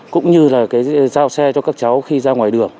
cũng như là cái giao xe cho các cháu khi ra ngoài đường